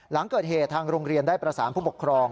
หลังเกิดเหตุทางโรงเรียนได้ประสานผู้ปกครอง